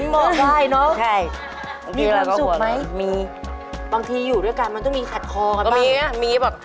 แม่มีฟันล่างฟันบนล่ะไม่มี